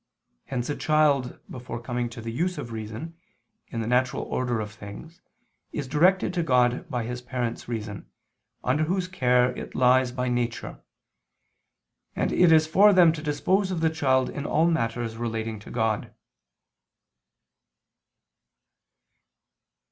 Hence a child before coming to the use of reason, in the natural order of things, is directed to God by its parents' reason, under whose care it lies by nature: and it is for them to dispose of the child in all matters relating to God.